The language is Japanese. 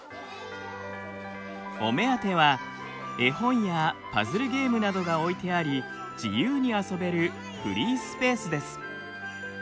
お目当ては絵本やパズルゲームなどが置いてあり自由に遊べるフリースペースです。